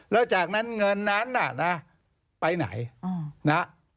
แล้วจากนั้นเงินนั้นไปไหน